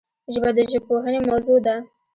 ژبه د ژبپوهنې موضوع ده